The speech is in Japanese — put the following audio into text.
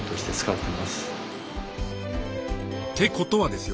ってことはですよ